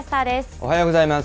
おはようございます。